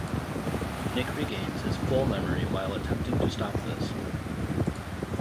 Nick regains his full memory while attempting to stop this.